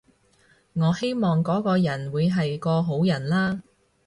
我希望嗰個人會係個好人啦